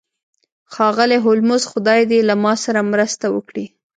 ښاغلی هولمز خدای دې له ما سره مرسته وکړي